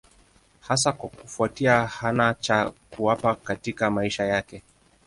Hasa kwa kufuatia hana cha kuwapa katika maisha yake.